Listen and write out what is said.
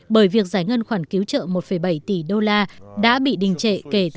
bởi việc giải ngân khoản cứu trợ một bảy tỷ đô la đã bị đình trệ